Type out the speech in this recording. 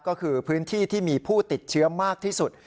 ก็คือพื้นที่ที่มีผู้ติดเชื้อมากที่สุด